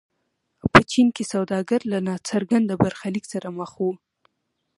په چین کې سوداګر له ناڅرګند برخلیک سره مخ وو.